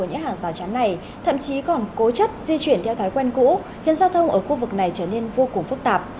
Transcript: những người dân dường như vẫn không quen với hãng rào chắn này thậm chí còn cố chấp di chuyển theo thái quen cũ khiến giao thông ở khu vực này trở nên vô cùng phức tạp